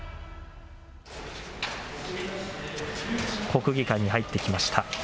国技館に入ってきました。